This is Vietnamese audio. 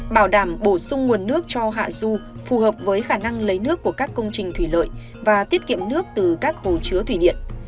bảo đảm bổ sung nguồn nước cho hạ du phù hợp với khả năng lấy nước của các công trình thủy lợi và tiết kiệm nước từ các hồ chứa thủy điện